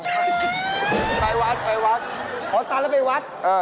ไปวัดโอ๊ยตอนนี้ไปวัดโอ๊ยตอนนี้ไปวัดโอ๊ยตอนนี้ไปวัด